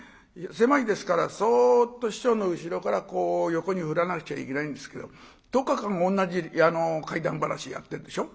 狭いですからそっと師匠の後ろからこう横に振らなくちゃいけないんですけど１０日間も同じ怪談噺やってるでしょ？